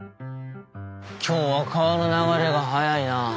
今日は川の流れが速いな。